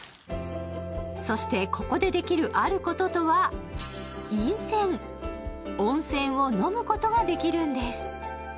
そしてここでできるあることとは飲泉温泉を飲むことができるんです